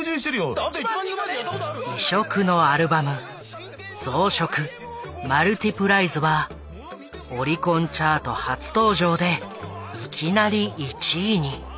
異色のアルバム「増殖ＭＵＬＴＩＰＬＩＥＳ」はオリコンチャート初登場でいきなり１位に。